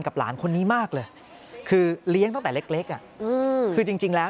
หลานคนนี้มากเลยคือเลี้ยงตั้งแต่เล็กคือจริงแล้ว